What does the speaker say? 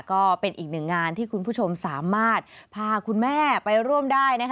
ก็เป็นอีกหนึ่งงานที่คุณผู้ชมสามารถพาคุณแม่ไปร่วมได้